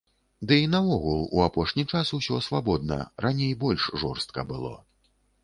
Ды і наогул у апошні час усё свабодна, раней больш жорстка было.